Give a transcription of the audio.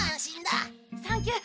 サンキュー。